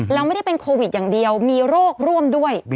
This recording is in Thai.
แล้วไม่ได้เป็นโควิดอย่างเดียวมีโรคร่วมด้วย